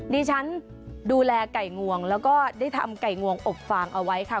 ดิฉันดูแลไก่งวงแล้วก็ได้ทำไก่งวงอบฟางเอาไว้ค่ะ